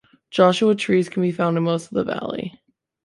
Joshua Trees can be found in most of the valley.